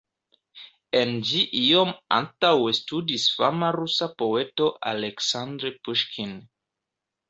En ĝi iom antaŭe studis fama rusa poeto Aleksandr Puŝkin.